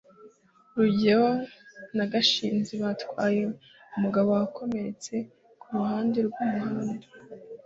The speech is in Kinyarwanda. rugeyo na gashinzi batwaye umugabo wakomeretse ku ruhande rw'umuhanda